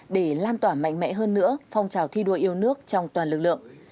để lan tỏa mạnh mẽ hơn nữa phong trào thi đua yêu nước trong toàn lực lượng